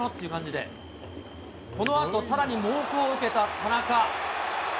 このあとさらに猛攻を受けた田中。